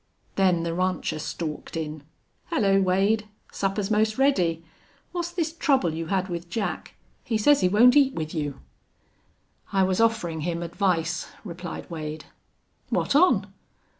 Then the rancher stalked in. "Hullo, Wade! Supper's 'most ready. What's this trouble you had with Jack? He says he won't eat with you." "I was offerin' him advice," replied Wade. "What on?"